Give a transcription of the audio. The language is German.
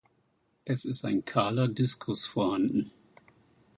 Es ist ein kahler Diskus vorhanden.